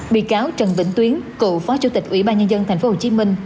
bị cáo trần vĩnh tuyến cựu phó chủ tịch ủy ban nhân dân thành phố hồ chí minh